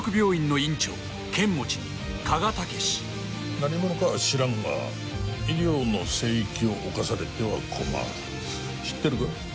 何者かは知らんが医療の聖域を侵されては困る知ってるか？